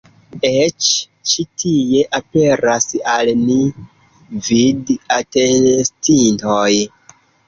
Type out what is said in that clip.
Eĉ ĉi tie aperas al ni vid-atestintoj.